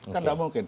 kan tidak mungkin